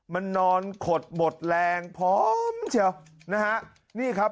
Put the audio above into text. มันนอนขดหมดแรงพร้อมเชียวนะฮะนี่ครับ